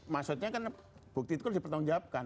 maksudnya kan bukti itu harus dipertanggungjawabkan